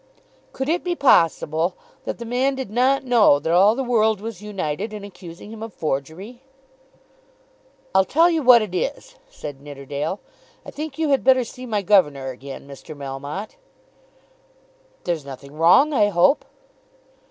Could it be possible that the man did not know that all the world was united in accusing him of forgery? "I'll tell you what it is," said Nidderdale. "I think you had better see my governor again, Mr. Melmotte." "There's nothing wrong, I hope."